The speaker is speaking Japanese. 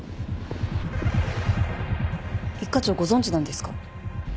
一課長ご存じなんですか？